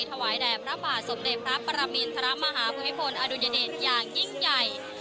ถวายแด่พระบาทสมเด็จพระปรมินทรมาฮภูมิพลอดุญเดชอย่างยิ่งใหญ่